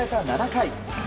７回。